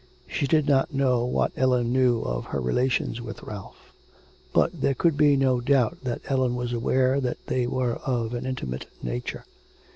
She did not know what Ellen knew of her relations with Ralph. But there could be no doubt that Ellen was aware that they were of an intimate nature.